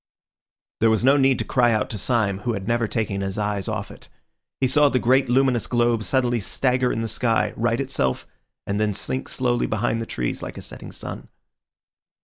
There was no need to cry out to Syme, who had never taken his eyes off it. He saw the great luminous globe suddenly stagger in the sky, right itself, and then sink slowly behind the trees like a setting sun.